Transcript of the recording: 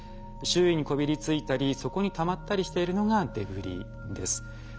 周囲にこびりついたり底にたまったりしているのがデブリです。